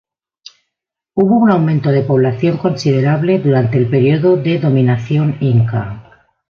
Hubo un aumento de población considerable durante el período de dominación Inca.